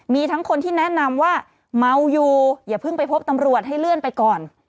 มีทั้งคนที่แนะนำว่าเมาอยู่อย่าเพิ่งไปพบตำรวจให้เลื่อนไปก่อน